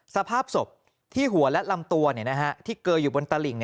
สภาพศพที่หัวและลำตัวที่เกออยู่บนตลิ่ง